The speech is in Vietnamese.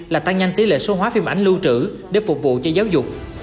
là tăng nhanh tỷ lệ số hóa phim ảnh lưu trữ để phục vụ cho giáo dục